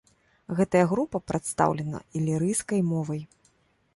Гэтая група прадстаўлена ілірыйскай мовай.